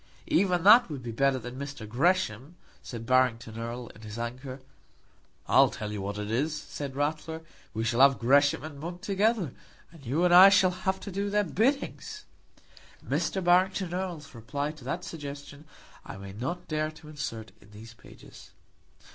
"Even that would be better than Gresham," said Barrington Erle, in his anger. "I'll tell you what it is," said Ratler, "we shall have Gresham and Monk together, and you and I shall have to do their biddings." Mr. Barrington Erle's reply to that suggestion I may not dare to insert in these pages.